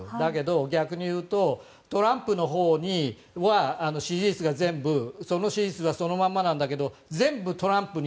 逆に言うとトランプのほうには支持率がその支持率はそのままなんだけど全部トランプに。